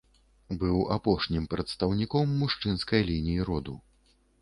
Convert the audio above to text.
Быў апошнім прадстаўніком мужчынскай лініі роду.